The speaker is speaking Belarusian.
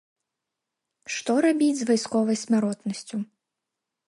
Што рабіць з вайсковай смяротнасцю?